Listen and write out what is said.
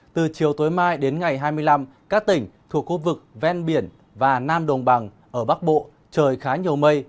từ chiều tối mai đến ngày hai mươi năm các tỉnh thuộc khu vực ven biển và nam đồng bằng ở bắc bộ trời khá nhiều mây